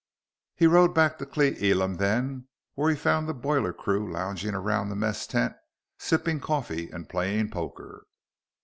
He rode back to Cle Elum then, where he found the boiler crew lounging around the mess tent, sipping coffee and playing poker.